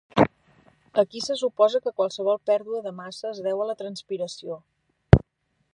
Aquí se suposa que qualsevol pèrdua de massa es deu a la transpiració.